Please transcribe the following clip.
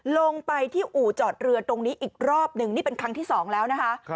ลงไปที่อู่จอดเรือตรงนี้อีกรอบหนึ่งนี่เป็นครั้งที่๒แล้วนะคะ